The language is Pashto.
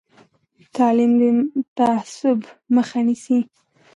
تعلیم د تعصب مخه نیسي.